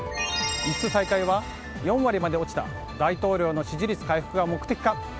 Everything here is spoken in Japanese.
輸出再開は４割まで落ちた大統領の支持率回復が目的か？